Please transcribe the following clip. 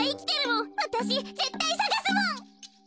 わたしぜったいさがすもん。